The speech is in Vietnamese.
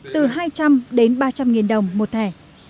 từ hai trăm linh đến ba trăm linh nghìn đồng một thẻ